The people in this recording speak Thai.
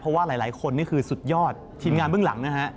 เพราะว่าหลายคนนี่คือสุดยอดทีมงานเบื้องหลังนะฮะ